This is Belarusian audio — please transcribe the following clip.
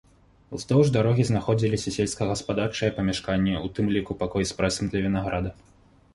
Уздоўж дарогі знаходзіліся сельскагаспадарчыя памяшканні, у тым ліку пакой з прэсам для вінаграда.